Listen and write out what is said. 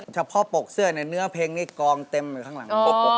เฉพาะปกเสื้อเนี่ยเนื้อเพลงนี้กองเต็มอยู่ข้างหลัง